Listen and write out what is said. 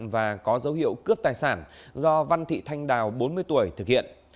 và có dấu hiệu cướp tài sản do văn thị thanh đào bốn mươi tuổi thực hiện